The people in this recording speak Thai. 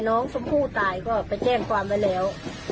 แต่น้องสมผู้ตายก็ไปแจ้งความว่าแล้ว